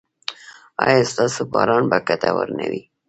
ایا ستاسو باران به ګټور نه وي؟